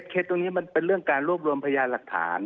ตรงนี้มันเป็นเรื่องการรวบรวมพยานหลักฐาน